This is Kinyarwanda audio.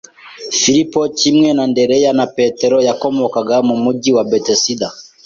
Filipo, kimwe na Andereya na Petero, yakomokaga mu mujyi wa Bethesda.